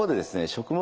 食物